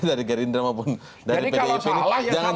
dari gerindra maupun dari pdip ini